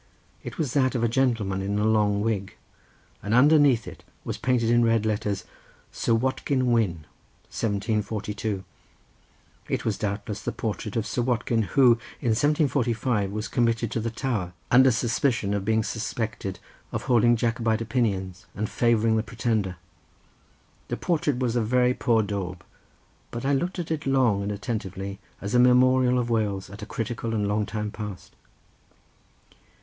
It was that of a gentleman in a long wig, and underneath it was painted in red letters "Sir Watkin Wynn 1742." It was doubtless the portrait of the Sir Watkin who in 1745 was committed to the Tower under suspicion of being suspected of holding Jacobite opinions, and favouring the Pretender. The portrait was a very poor daub, but I looked at it long and attentively as a memorial of Wales at a critical and long past time.